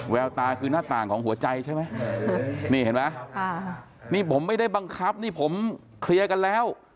แววตาคือหน้าต่างของหัวใจใช่ไหมนี่เห็นไหมนี่ผมไม่ได้บังคับนี่ผมเคลียร์กันแล้ว